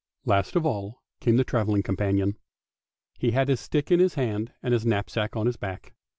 Last of all came the travelling companion; he had his stick in his hand and his knapsack on his back.